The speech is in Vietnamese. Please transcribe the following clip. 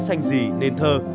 xanh dì nền thơ